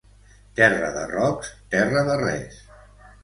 Terra de rocs, terra de res.